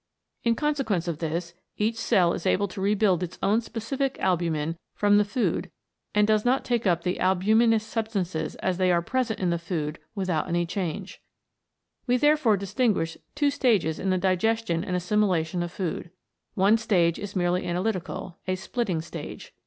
In consequence of this, each cell is able to rebuild its own specific albumin from the food, and does not take up the albuminous substances as they are present in the food without any change. We therefore distinguish two stages in the digestion and assimilation of food. One stage is merely analytical, a splitting stage.